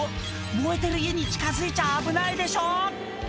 燃えてる家に近づいちゃ危ないでしょ